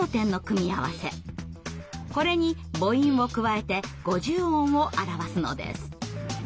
これに母音を加えて５０音を表すのです。